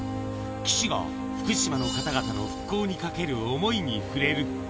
岸が福島の方々の復興にかける想いに触れる。